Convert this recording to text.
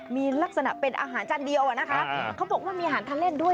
มีลักษณะเป็นอาหารจานเดียวอะนะคะเขาบอกว่ามีอาหารทะเล่นด้วย